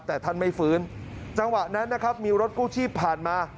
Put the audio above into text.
แต่ท่านไม่ฟื้นจังหวะนั้นนะครับมีรถกู้ชีพผ่านมา